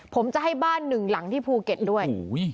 ผมจะให้บ้านหนึ่งหลังที่ภูเก็ตด้วย